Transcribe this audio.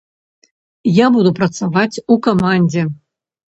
Я буду працаваць у камандзе.